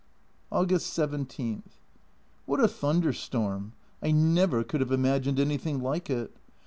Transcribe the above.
August 17. What a thunder storm ! I never could have imagined anything like it.